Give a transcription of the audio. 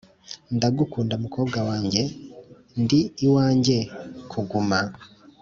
"ndagukunda, mukobwa wanjye. ndi iwanjye kuguma."